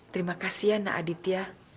terima kasih ya nak adit ya